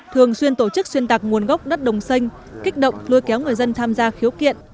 thường xuyên tổ chức xuyên tạc nguồn gốc đất đồng xanh kích động lôi kéo người dân tham gia khiếu kiện